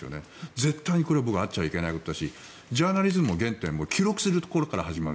絶対にこれはあっちゃいけないことだしジャーナリズムの原点は記録するところから始まる。